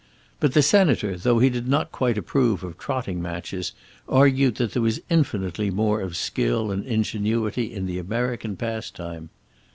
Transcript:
But the Senator, though he did not quite approve of trotting matches, argued that there was infinitely more of skill and ingenuity in the American pastime.